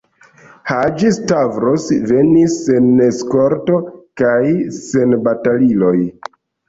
Haĝi-Stavros venis, sen eskorto kaj sen bataliloj.